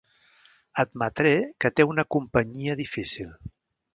Admetré que té una companyia difícil.